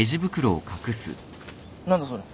何だそれ。